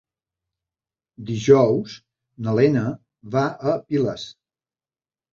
Dijous na Lena va a Piles.